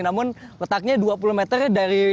namun letaknya dua puluh meter dari